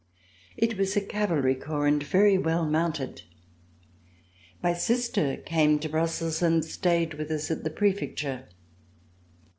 It was a cavalry corps and very well mounted. My sister came to Brussels and stayed with us at the Prefecture.